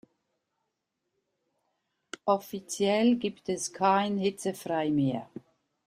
Offiziell gibt es kein hitzefrei mehr.